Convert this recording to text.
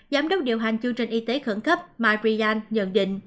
giám đốc điều hành chương trình y tế khẩn cấp marian nhận định